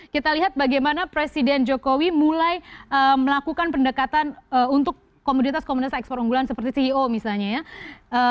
kita lihat bagaimana presiden jokowi mulai melakukan pendekatan untuk komoditas komoditas ekspor unggulan seperti ceo misalnya ya